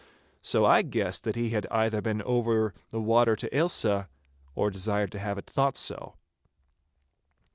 So I guessed that he had either been over the water to Ailsa, or desired to have it thought so.